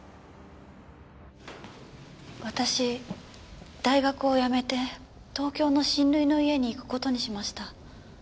私大学を辞めて東京の親類の家に行く事にしました。